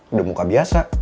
udah muka biasa